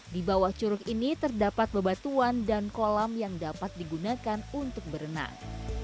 di bawah curug ini terdapat bebatuan dan kolam yang dapat digunakan untuk berenang